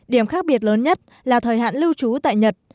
điểm khác biệt lớn nhất là thời hạn lưu trú tại nhật